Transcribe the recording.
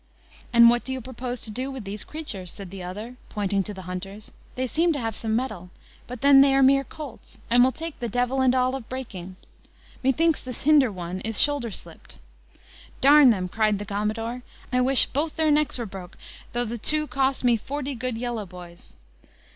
"And what do you propose to do with these creatures?" said the other, pointing to the hunters; "they seem to have some mettle; but then they are mere colts, and will take the devil and all of breaking: methinks this hinder one is shoulder slipped." "D them," cried the commodore, "I wish both their necks were broke, thof the two cost me forty good yellow boys.".